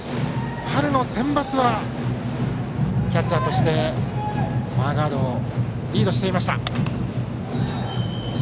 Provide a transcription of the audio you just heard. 春のセンバツはキャッチャーとしてマーガードをリードしていました。